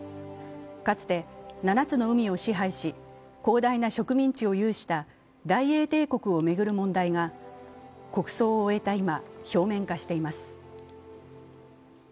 かつて７つの海を支配し、広大な植民地を有した大英帝国を巡る問題が国葬を終えた今、表面化しています